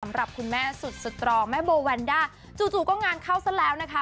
สำหรับคุณแม่สุดสตรองแม่โบแวนด้าจู่ก็งานเข้าซะแล้วนะคะ